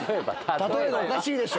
例えがおかしいでしょ。